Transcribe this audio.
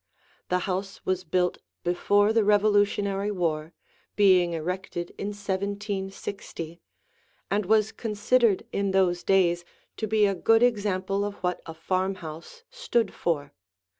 The house was built before the Revolutionary War, being erected in 1760, and was considered in those days to be a good example of what a farmhouse stood for.